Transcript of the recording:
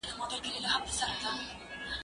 ايا ته پلان جوړوې!.